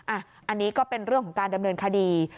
อันนี้ก็เป็นเรื่องของการดำเนินคดี